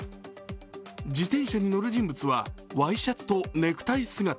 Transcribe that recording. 自転車に乗る人物はワイシャツとネクタイ姿。